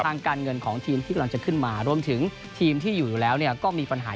ทางการเงินของทีมที่กำลังจะขึ้นมารวมถึงทีมที่อยู่อยู่แล้วเนี่ยก็มีปัญหา